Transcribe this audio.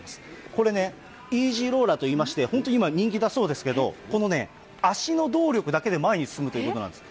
これね、イージーローラーといいまして、本当に今、人気だそうですけども、このね、足の動力だけで前に進むということなんです。